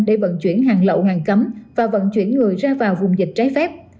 để bận chuyển hàng lậu hàng cấm và bận chuyển người ra vào vùng dịch trái phép